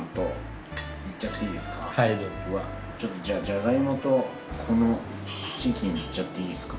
ちょっとじゃあじゃが芋とこのチキンいっちゃっていいですか？